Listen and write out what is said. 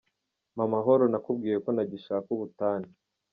Mpa amahoro nakubwiye ko ntagishaka ubutane.